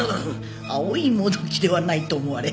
葵もどきではないと思われ。